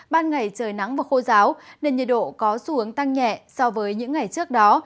ban ngày trời nắng và khô giáo nên nhiệt độ có xu hướng tăng nhẹ so với những ngày trước đó